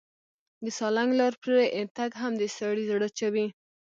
د سالنګ لار پرې تګ هم د سړي زړه چوي.